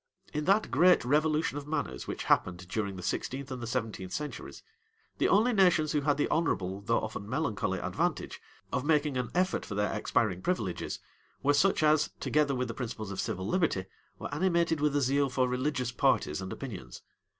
In that great revolution of manners which happened during the sixteenth and the seventeenth centuries, the only nations who had the honorable, though often melancholy advantage, of making an effort for their expiring privileges, were such as, together with the principles of civil liberty, were animated with a zeal for religious parties and opinions.